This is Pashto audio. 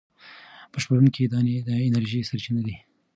بشپړوونکې دانې د انرژۍ سرچینه دي.